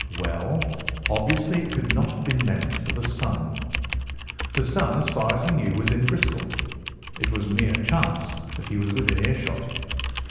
"Well, obviously it could not have been meant for the son. The son, as far as he knew, was in Bristol. It was mere chance that he was within earshot.